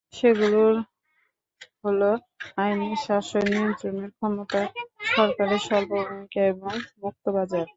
সেগুলো হলো আইনের শাসন, নিয়ন্ত্রণের দক্ষতা, সরকারের স্বল্প ভূমিকা এবং মুক্তবাজার।